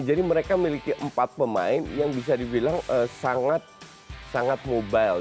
jadi mereka memiliki empat pemain yang bisa dibilang sangat mobile